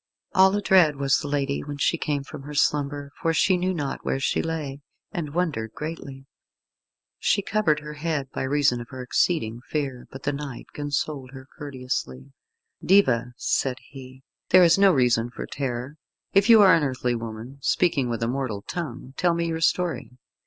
All adread was the lady when she came from her slumber, for she knew not where she lay, and wondered greatly. She covered her head by reason of her exceeding fear, but the knight consoled her courteously. "Diva," said he, "there is no reason for terror. If you are an earthly woman, speaking with a mortal tongue, tell me your story.